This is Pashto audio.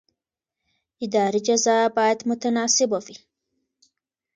اداري جزا باید متناسبه وي.